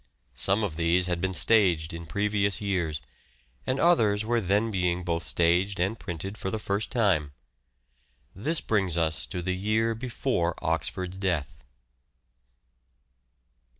Some of these had been staged in previous years, and others were then being both staged and printed for the first time. This brings us to the year before Oxford's death.